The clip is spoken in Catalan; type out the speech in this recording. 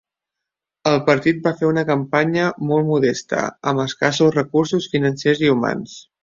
El partit va fer una campanya molt modesta, amb escassos recursos financers i humans.